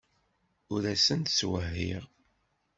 Ur asent-ttwehhiɣ.